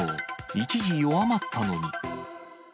一時弱まったのに。